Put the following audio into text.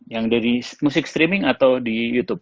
yang dari musik streaming atau di youtube